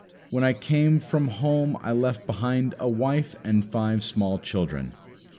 When I came from home I left behind me a wife and five small children.